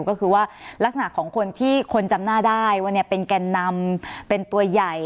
ก็คือว่าลักษณะของคนที่คนจำหน้าได้ว่าเป็นแก่นนำเป็นตัวใหญ่